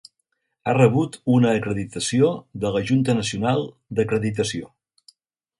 Ha rebut una acreditació de la Junta nacional d"acreditació.